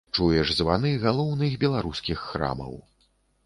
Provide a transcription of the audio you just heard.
Чуеш званы галоўных беларускіх храмаў.